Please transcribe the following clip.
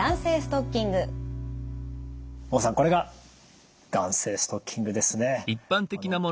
孟さんこれが弾性ストッキングですね。